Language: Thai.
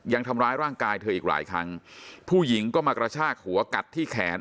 ยังทำร้ายร่างกายเธออีกหลายครั้งผู้หญิงก็มากระชากหัวกัดที่แขน